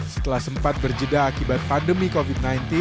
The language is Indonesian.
setelah sempat berjeda akibat pandemi covid sembilan belas